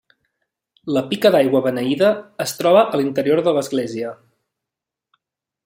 La pica d'aigua beneïda es troba a l'interior de l'església.